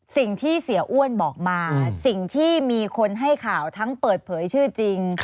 สิ่งที่เสียอ้วนบอกมาสิ่งที่มีคนให้ข่าวทั้งเปิดเผยชื่อจริง